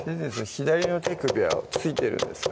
左の手首は付いてるんですか？